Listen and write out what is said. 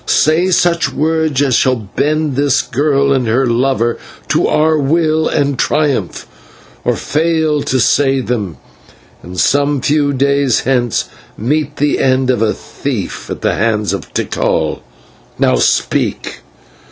Say such words as shall bend this girl and her lover to our will, and triumph; or fail to say them, and some few days hence meet the end of a thief at the hands of Tikal. Now speak."